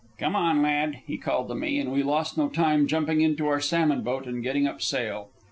"Come on, lad," he called to me; and we lost no time jumping into our salmon boat and getting up sail.